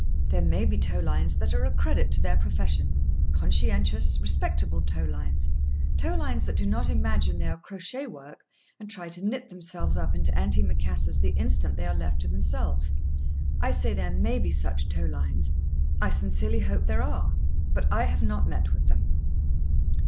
There may be tow lines that are a credit to their profession—conscientious, respectable tow lines—tow lines that do not imagine they are crochet work, and try to knit themselves up into antimacassars the instant they are left to themselves. I say there may be such tow lines; I sincerely hope there are. But I have not met with them.